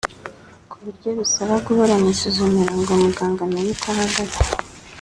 ku buryo bisaba guhora mu isuzumiro ngo muganga amenye uko ahagaze